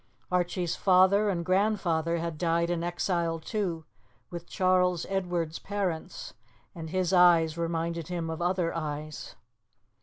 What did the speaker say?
Archie's father and grandfather had died in exile, too, with Charles Edward's parents. And his eyes reminded him of other eyes.